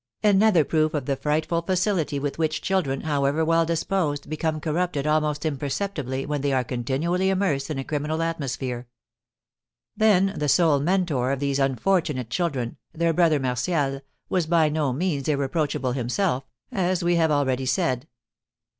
Another proof of the frightful facility with which children, however well disposed, become corrupted almost imperceptibly when they are continually immersed in a criminal atmosphere. Then, the sole mentor of these unfortunate children, their brother Martial, was by no means irreproachable himself, as we have already said.